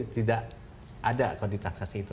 tidak ada kodit transaksi itu